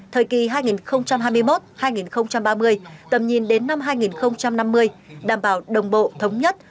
thời kỳ hai nghìn hai mươi một hai nghìn ba mươi tầm nhìn đến năm hai nghìn năm mươi đảm bảo đồng bộ thống nhất